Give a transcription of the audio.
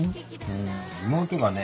うん妹がね